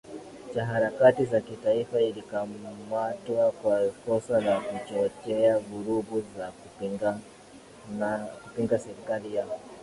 cha harakati za kitaifa alikamatwa kwa kosa la kuchochea vurugu za kupinga serikali ya